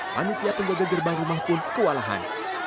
panitia penjaga gerbang rumah pun kewalahan